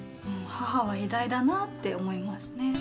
母は偉大だなって思いますね。